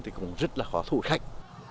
thì cũng rất là khó thu hút khách